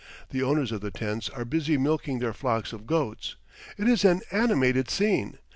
The owners of the tents are busy milking their flocks of goats. It is an animated scene.